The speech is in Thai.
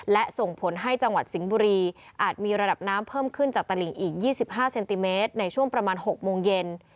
และส่งผลให้จังหวัดสิงห์บุรีอาจมีระดับน้ำเพิ่มขึ้นจากตลิงอีก๒๕เซนติเมตรในช่วงประมาณ๖โมงเย็น